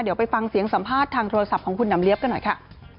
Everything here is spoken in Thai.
เดี๋ยวไปฟังเสียงสัมภาษณ์ทางโทรศัพท์ของคุณหำเลี๊ยบกันหน่อยค่ะ